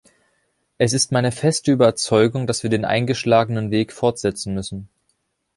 Es ist meine feste Überzeugung, dass wir den eingeschlagenen Weg fortsetzen müssen.